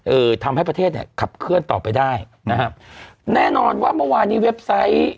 ทำให้ประเทศเนี้ยขับเคลื่อนต่อไปได้นะครับแน่นอนว่าเมื่อวานนี้เว็บไซต์